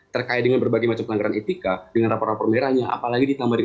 terkait dengan berbagai macam pelanggaran etika dengan rapor rapor merahnya apalagi ditambah dengan